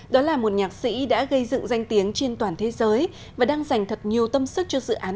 đó là một nhạc sĩ đã gây dựng danh tiếng trên toàn thế giới và đang dành thật nhiều tâm sức cho dự án